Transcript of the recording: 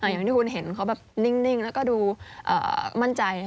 อย่างที่คุณเห็นเขาแบบนิ่งแล้วก็ดูมั่นใจ